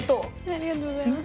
ありがとうございます。